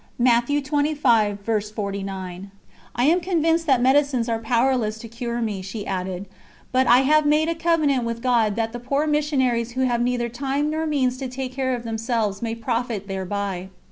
'" "I am convinced that medicines are powerless to cure me," she added, "but I have made a covenant with God that the poor missionaries who have neither time nor means to take care of themselves may profit thereby."